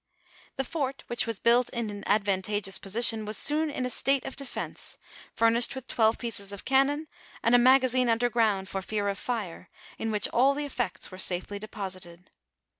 The fort which was built in an advantageous position, was soon in a state of de fence, furnished with twelve pieces of cannon, and a maga zine under ground, for fear of fire, in which all the effects were safely deposited.